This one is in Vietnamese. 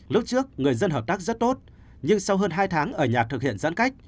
lúc trước người dân hợp tác rất tốt nhưng sau hơn hai tháng ở nhà thực hiện giãn cách